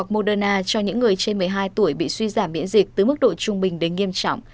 moderna cho những người trên một mươi hai tuổi bị suy giảm miễn dịch từ mức độ trung bình đến nghiêm trọng